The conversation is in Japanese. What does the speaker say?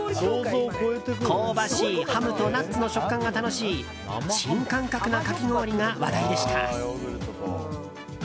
香ばしいハムとナッツの食感が楽しい新感覚な、かき氷が話題でした。